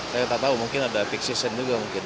saya tak tahu mungkin ada peak season juga mungkin